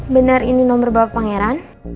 benar ini nomor bapak pangeran